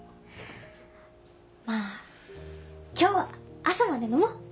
まぁ今日は朝まで飲もう！